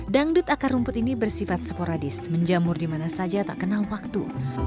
dangdut akar rumput ini bersifat sporadis menjamur dimana saja tak kenal waktu